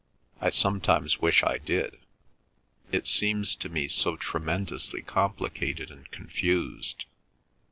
I sometimes wish I did. It seems to me so tremendously complicated and confused.